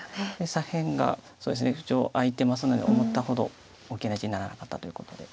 左辺が空いてますので思ったほど大きな地にならなかったということで。